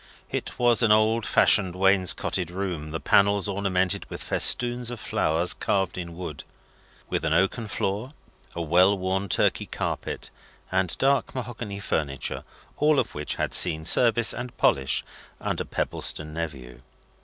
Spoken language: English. It was an old fashioned wainscoted room; the panels ornamented with festoons of flowers carved in wood; with an oaken floor, a well worn Turkey carpet, and dark mahogany furniture, all of which had seen service and polish under Pebbleson Nephew.